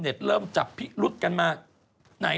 คือก็เกี่ยวกับข้อสมมุติ